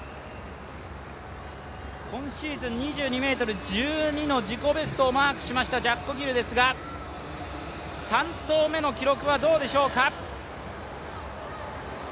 今シーズン２２ｍ１２の自己ベストをマークしましたジャッコ・ギルですが３投目の記録はどうでしょうか。